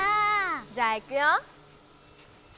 じゃあいくよ。